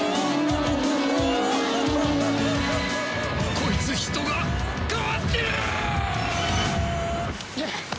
こいつ人が変わってる！